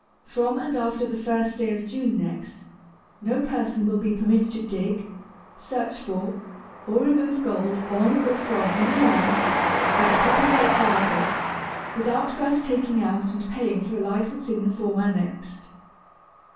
From and after the first day of June next, no person will be permitted to dig, search for, or remove gold on or from any land, whether public or private, without first taking out and paying for a License in the form annexed.